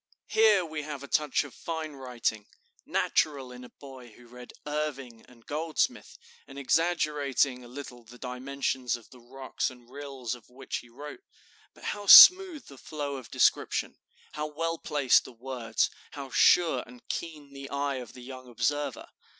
Here we have a touch of fine writing, natural in a boy who had read Irving and Goldsmith, and exaggerating a little the dimensions of the rocks and rills of which he wrote. But how smooth the flow of description, how well placed the words, how sure and keen the eye of the young observer!